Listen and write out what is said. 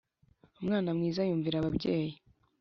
- umwana mwiza yumvira ababyeyi.